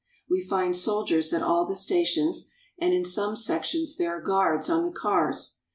We find soldiers at all the stations, and in some sections there are guards on the cars.